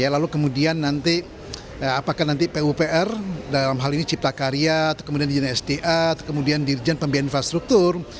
lalu kemudian nanti apakah nanti pupr dalam hal ini cipta karya atau kemudian dirjen sda kemudian dirjen pembiayaan infrastruktur